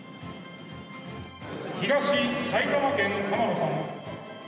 東、埼玉県、濱野さん。